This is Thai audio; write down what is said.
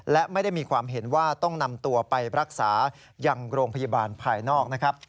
และไม่ได้มีความเห็นว่าต้องนำตัวไปรักษายังโรงพยาบาลภายนอกนะครับ